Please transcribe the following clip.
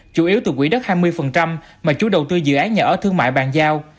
chủ yếu từ quỹ đất hai mươi mà chú đầu tư dự án nhà ở thương mại bàn giao